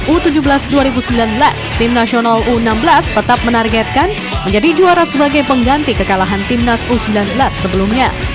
u tujuh belas dua ribu sembilan belas tim nasional u enam belas tetap menargetkan menjadi juara sebagai pengganti kekalahan timnas u sembilan belas sebelumnya